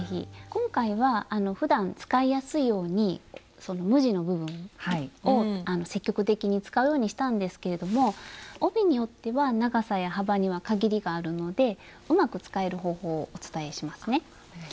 今回はふだん使いやすいように無地の部分を積極的に使うようにしたんですけれども帯によっては長さや幅には限りがあるのでうまく使える方法をお伝えしますね。